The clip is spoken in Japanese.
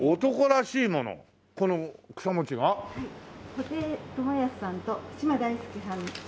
布袋寅泰さんと嶋大輔さんっぽいものです。